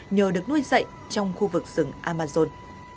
nhờ được nuôi dạy trong khu vực rừng amazon